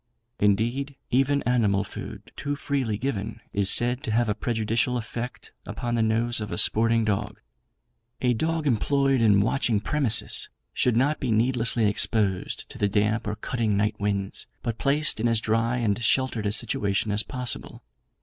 Indeed, even animal food too freely given is said to have a prejudicial effect upon the nose of a sporting dog. A dog employed in watching premises should not be needlessly exposed to the damp or cutting night winds; but placed in as dry and sheltered a situation as possible.